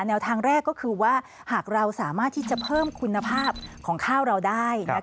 แนวทางแรกก็คือว่าหากเราสามารถที่จะเพิ่มคุณภาพของข้าวเราได้